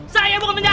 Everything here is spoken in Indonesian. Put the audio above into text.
saya bukan pembunuh